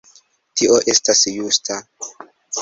Tio estas justa.